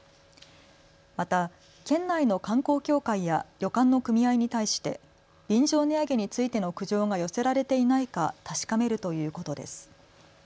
また県内の観光協会や旅館の組合に対して便乗値上げについての苦情が寄せられていないか確かめるということです。